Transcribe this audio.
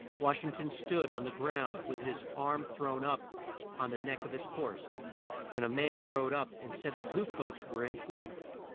Wash ing ton stood on the ground with his arm thrown up on the neck of his horse, when a man rode up and said the blue coats were in flight.